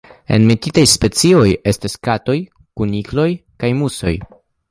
Enmetitaj specioj estas katoj, kunikloj kaj musoj.